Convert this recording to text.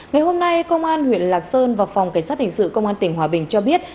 ngày hôm nay công an huyện lạc sơn và phòng cảnh sát hình sự công an tỉnh hòa bình cho biết